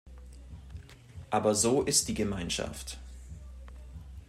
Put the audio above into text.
Aber so ist die Gemeinschaft.